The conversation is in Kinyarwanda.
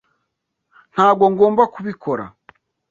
Ntabwo ngomba kubikora.